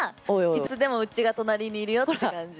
いつでもうちが隣にいるよって感じ。